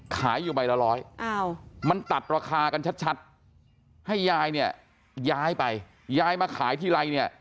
ขายอยู่ใบละร้อยมันตัดราคากันชัดให้ยายเนี่ยย้ายไปยายมาขายทีไรเนี่ย